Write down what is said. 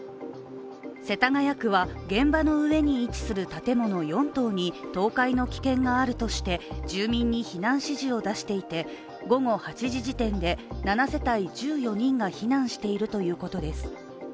世田谷区は現場の上に位置する建物４棟に倒壊の危険があるとして住民に避難指示を出していて午後８時時点で７世帯１４人が避難しているということです。